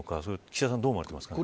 岸田さんはどう思われてますか。